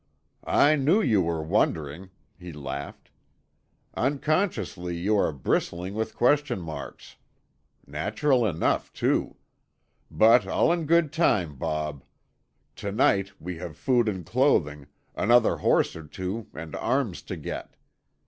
"I knew you were wondering," he laughed. "Unconsciously you are bristling with question marks. Natural enough, too. But all in good time, Bob. To night we have food and clothing, another horse or two and arms to get.